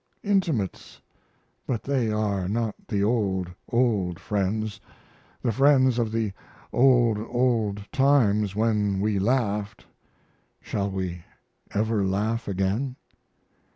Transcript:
Intimates but they are not the old, old friends, the friends of the old, old times when we laughed. Shall we ever laugh again?